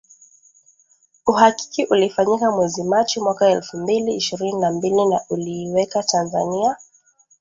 Uhakiki ulifanyika mwezi Machi mwaka elfu mbili ishirini na mbili na uliiweka Tanzania